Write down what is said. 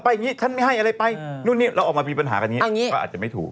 เพราะฉะนั้น